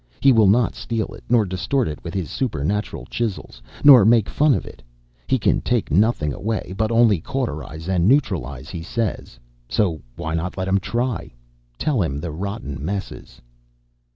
He will not steal it, nor distort it with his supernatural chisels, nor make fun of it. He can take nothing away, but only cauterize and neutralize, he says, so why not let him try? Tell him the rotten messes.